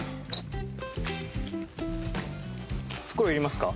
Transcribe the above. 袋いりますか？